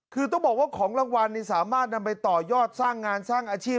คือต้องบอกว่าของรางวัลนี้สามารถนำไปต่อยอดสร้างงานสร้างอาชีพ